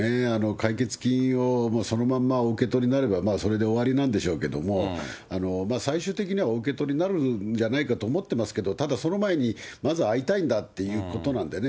解決金をそのままお受け取りになれば、それで終わりなんでしょうけども、最終的にはお受け取りになるんじゃないかと思ってますけど、ただ、その前にまず会いたいんだっていうことなんでね。